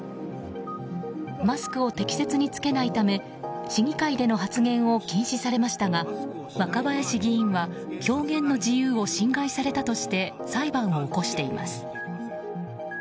マスクを適切に着けないため市議会での発言を禁止されましたが、若林議員は表現の自由を侵害されたとして裁判を起こしています。